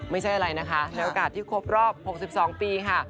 ไม่ใช่อะไรนะคะในโอกาสที่ครบรอบ๖๒ปีค่ะ